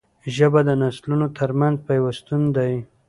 ژبه د نسلونو ترمنځ پیوستون دی